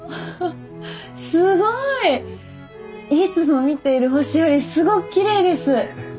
すごい！いつも見ている星よりすごくきれいです！